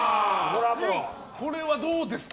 これは、どうですか？